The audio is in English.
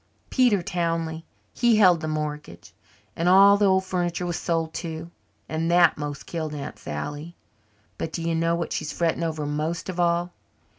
"Peter Townley. He held the mortgage. And all the old furniture was sold too, and that most killed Aunt Sally. But do you know what she's fretting over most of all?